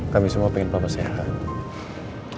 kami semua pengen bapak sehat